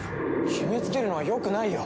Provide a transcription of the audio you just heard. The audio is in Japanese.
決めつけるのはよくないよ。